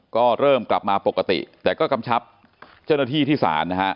ก็เริ่มกลับมาปกติแต่ก็กำชับเจ้าหน้าที่ที่ศาลนะฮะ